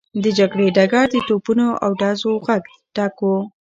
د جګړې ډګر د توپونو او ډزو غږ ډک و.